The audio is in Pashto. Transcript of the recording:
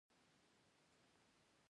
سهار د خدای یاد نوراني کوي.